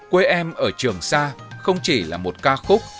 quê em ở trường sa không chỉ là một ca khúc